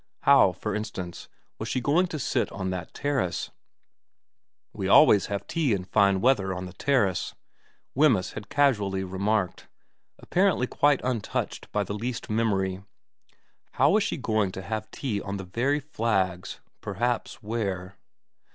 How, for instance, was she going to sit on that terrace, ' We always have tea in fine weather on the terrace,' Wemyss had casually remarked, apparently quite untouched by the least memory how was she going to have tea on the very flags perhaps where.